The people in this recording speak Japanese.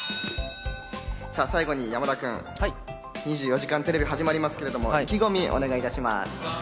最後に山田君、『２４時間テレビ』始まりますけど、意気込みをお願いいたしします。